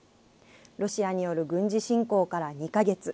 ロシアによる軍事侵攻から２か月。